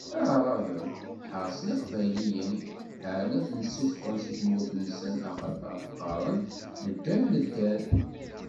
Aɛraben ḥeṛsen Iqbayliyen, ḥaren ad ten-ssufɣen si tmurt-nsen, axaṭer qqaren: Nedder, nedder!